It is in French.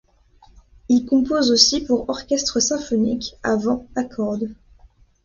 Il compose aussi pour orchestre symphonique, à vent, à cordes.